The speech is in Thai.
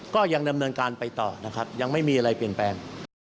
ก็ยังดำเนินการไปต่อนะครับยังไม่มีอะไรเปลี่ยนแปลง